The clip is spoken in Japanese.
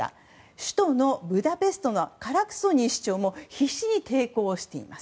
首都ブダペストのカラクソニー市長も必死に抵抗をしています。